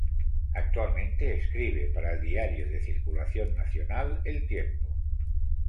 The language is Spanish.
Actualmente escribe para el diario de circulación nacional El Tiempo.